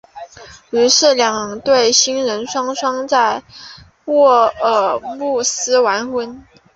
于是两对新人双双在沃尔姆斯完婚。